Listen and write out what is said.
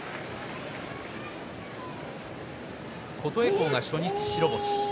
琴恵光が初日白星です。